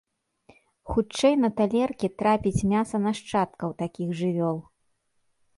Хутчэй на талеркі трапіць мяса нашчадкаў такіх жывёл.